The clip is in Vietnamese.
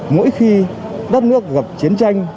mỗi khi đất nước gặp chiến tranh